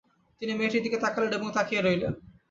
তিনি মেয়েটির দিকে তাকালেন এবং তাকিয়ে রইলেন।